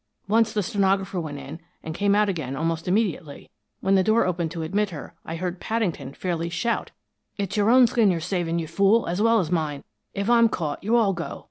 Once the stenographer went in and came out again almost immediately. When the door opened to admit her, I heard Paddington fairly shout: "'It's your own skin you're saving, you fool, as well as mine! If I'm caught, you all go!